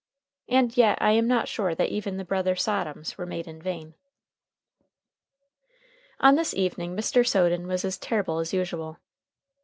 And yet I am not sure that even the Brother Sodoms were made in vain. On this evening Mr. Soden was as terrible as usual.